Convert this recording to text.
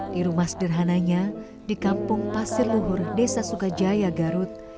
di rumah sederhananya di kampung pasir luhur desa sukajaya garut